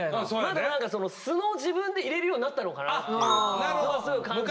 でも何か素の自分でいれるようになったのかなっていうのはすごい感じるんで。